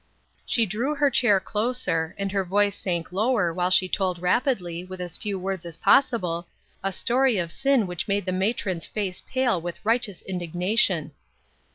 She drew her chair closer, and her voice sank lower while she told rapidly with as few words as possible, a story of sin which made the matron's face pale with righteous indignation.